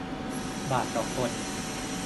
บาทต่อคน